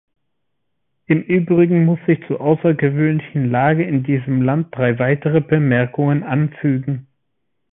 Im übrigen muss ich zur außergewöhnlichen Lage in diesem Land drei weitere Bemerkungen anfügen.